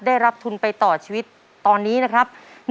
ได้รับทุนไปต่อชีวิตตอนนี้นะครับ